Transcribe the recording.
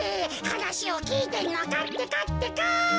はなしをきいてんのかってかってか。